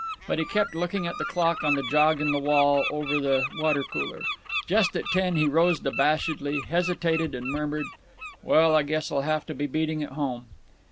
But he kept looking at the clock on the jog in the wall over the watercooler. Just at ten he rose abashedly, hesitated, and murmured, "Well, I guess I'll have to be beating it home."